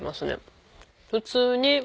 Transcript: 普通に。